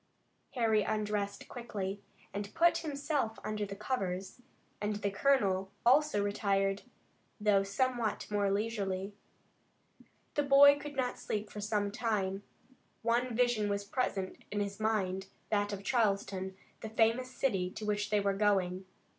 Harry undressed quickly, and put himself under the covers, and the colonel also retired, although somewhat more leisurely. The boy could not sleep for some time. One vision was present in his mind, that of Charleston, the famous city to which they were going.